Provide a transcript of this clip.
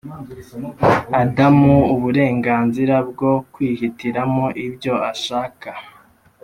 Adamu uburenganzira bwo kwihitiramo ibyo ashaka